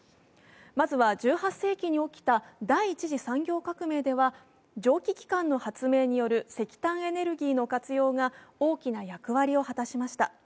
まずは１８世紀に起きた第１次産業革命では蒸気機関の発明による石炭エネルギーの活用が大きな役割を果たしました。